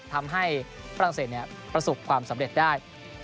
ทำให้ฝรั่งเศสประสบความสำเร็จได้